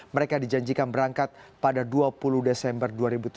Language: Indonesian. mereka dijanjikan berangkat pada dua puluh desember dua ribu tujuh belas